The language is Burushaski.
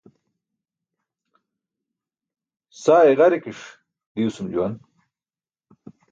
Saa i̇ġarikiṣ diwasum juwan.